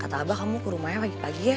atau abah kamu ke rumahnya pagi pagi ya